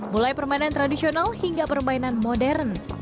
mulai permainan tradisional hingga permainan modern